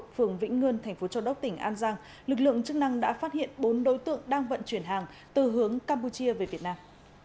phường vĩnh ngươn thành phố châu đốc tỉnh an giang lực lượng chức năng đã phát hiện bốn đối tượng đang vận chuyển hàng từ hướng campuchia về việt nam